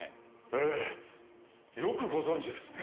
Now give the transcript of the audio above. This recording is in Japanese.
ええ。よくご存じですね。